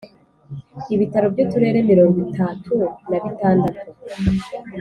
Ibitaro by Uturere mirongo itatu na bitandatu